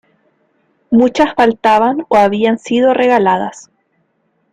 Muchas faltaban o habían sido regaladas.